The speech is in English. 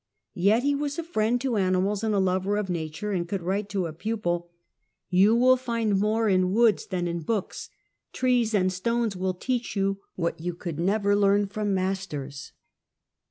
Yet he was a friend to animals and a lover of nature, and could write to a pupil :—*' You will find more in woods than in books. Trees and stones will teach you what you could never learn from masters."